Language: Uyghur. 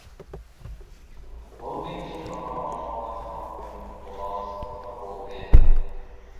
بۇندىن كېيىن ماڭا ۋاپادار خانىمىم بولالىسىڭىزلا بولدى.